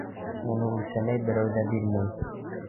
Уны үлсәмәй берәү ҙә бирмәй!